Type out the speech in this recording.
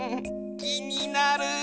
きになる！